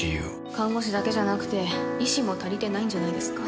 看護師だけじゃなくて医師も足りてないんじゃないですか。